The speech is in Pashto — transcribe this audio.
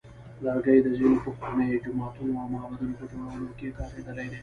لرګي د ځینو پخوانیو جوماتونو او معبدونو په جوړولو کې کارېدلی دی.